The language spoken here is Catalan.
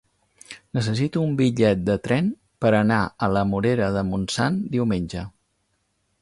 Necessito un bitllet de tren per anar a la Morera de Montsant diumenge.